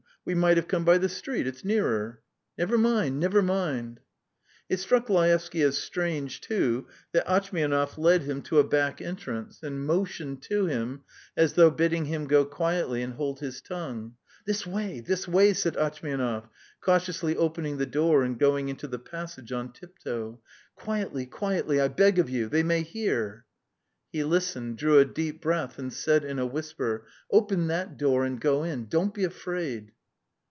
We might have come by the street; it's nearer. ..." "Never mind, never mind. ..." It struck Laevsky as strange, too, that Atchmianov led him to a back entrance, and motioned to him as though bidding him go quietly and hold his tongue. "This way, this way ..." said Atchmianov, cautiously opening the door and going into the passage on tiptoe. "Quietly, quietly, I beg you ... they may hear." He listened, drew a deep breath and said in a whisper: "Open that door, and go in ... don't be afraid."